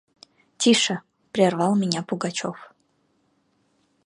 – Тише! – прервал меня Пугачев.